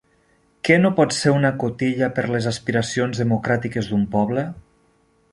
Què no pot ser una cotilla per les aspiracions democràtiques d'un poble?